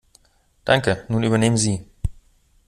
Danke. Nun übernehmen Sie.